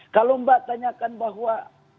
kalau mbak tanyakan bahwa